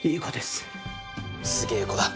すげえ子だ。